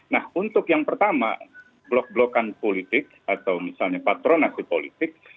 nah untuk yang pertama blok blokan politik atau misalnya patronasi politik